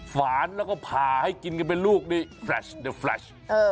ฝานแล้วก็ผ่าให้กินเป็นลูกดีแฟรชเดอะแฟรช